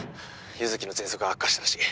優月のぜんそくが悪化したらしい